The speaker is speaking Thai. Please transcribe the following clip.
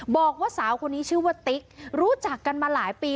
บอกว่าสาวคนนี้ชื่อว่าติ๊กรู้จักกันมาหลายปี